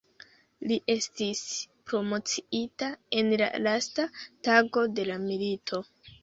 Li estis promociita en la lasta tago de la milito.